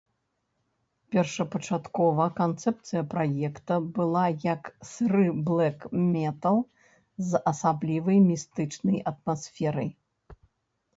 Першапачаткова канцэпцыя праекта была як сыры блэк-метал з асаблівай містычнай атмасферай.